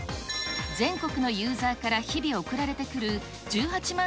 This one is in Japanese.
全国のユーザーから日々送られてくる１８万